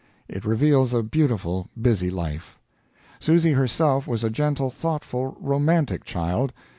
It reveals a beautiful, busy life. Susy herself was a gentle, thoughtful, romantic child.